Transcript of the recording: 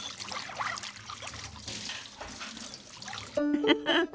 ウフフフ。